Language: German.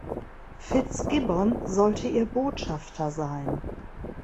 Fitzgibbon sollte ihr Botschafter sein.